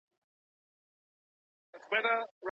کله واجب وي، کله مندوب وي او کله مباح وي.